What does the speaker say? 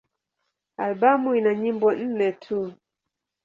Albamu ina nyimbo nne tu.